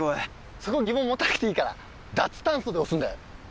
そこ疑問持たなくていいから「ダツタンソ」で押すんだよ。